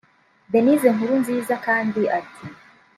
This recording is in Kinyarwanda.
Denise Nkurunziza kandi ati